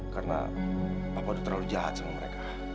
karena papa udah terlalu jahat sama mereka